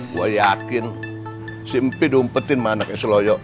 gue yakin si empi diumpetin sama anaknya seloyo